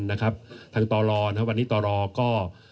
ทางต่อรอก็